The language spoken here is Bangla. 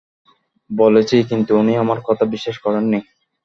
বলেছি, কিন্তু উনি আমার কথা বিশ্বাস করেননি!